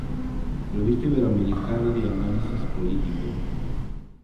Revista Iberoamericana de Análisis Político.